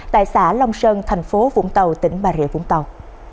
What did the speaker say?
tại xã long sơn thành phố vũng tàu tỉnh bà rịa vũng tàu